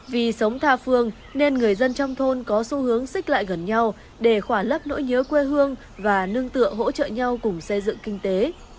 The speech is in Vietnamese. vì sống tha phương nên người dân trong thôn có xu hướng xích lại gần nhau để khỏa lấp nỗi nhớ quê hương và nương tựa hỗ trợ nhau cùng xây dựng kinh tế